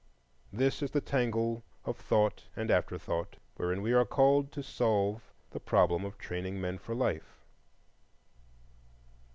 This is the tangle of thought and afterthought wherein we are called to solve the problem of training men for life.